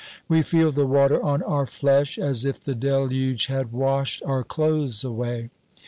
We feel the water on our flesh as if the deluge had washed our clothes away.